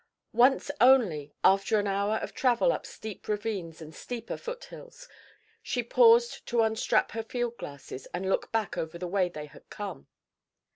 Once only, after an hour of travel up steep ravines and steeper foothills, she paused to unstrap her field glasses and look back over the way they had come.